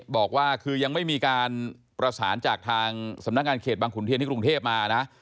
บอกว่าคือยังไม่มีการประสานทางสำนักการเขตบางขุนที่ในกรุงเทพมา